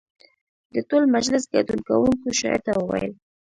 د ټول مجلس ګډون کوونکو شاعر ته وویل.